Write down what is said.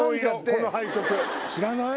この配色知らない？